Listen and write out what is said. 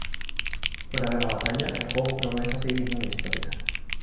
Fuera de la batalla, el juego progresa siguiendo la historia.